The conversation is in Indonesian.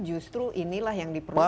justru inilah yang diperlukan